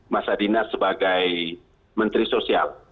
masa dinas sebagai menteri sosial